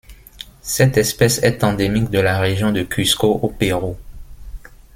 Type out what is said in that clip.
Cette espèce est endémique de la région de Cusco au Pérou.